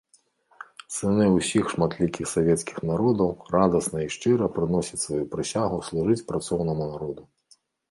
Сыны ўсіх шматлікіх савецкіх народаў радасна і шчыра прыносяць сваю прысягу служыць працоўнаму народу.